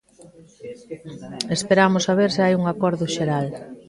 Esperamos a ver se hai un acordo xeral.